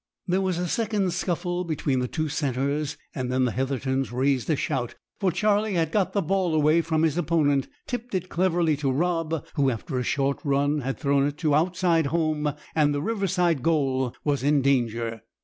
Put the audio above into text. There was a second's scuffle between the two centres, and then the Heathertons raised a shout; for Charlie had got the ball away from his opponent, tipped it cleverly to Rob, who, after a short run, had thrown it to "outside home," and the Riverside goal was in danger.